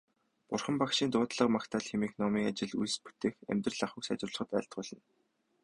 Бурхан Багшийн дуудлага магтаал хэмээх номыг ажил үйлс бүтээх, амьдрал ахуйг сайжруулахад айлтгуулна.